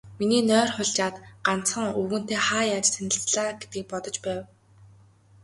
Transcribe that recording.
Миний нойр хулжаад, ганцхан, өвгөнтэй хаа яаж танилцлаа гэдгийг бодож байв.